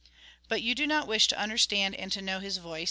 " But you do not wish to understand and to know His voice.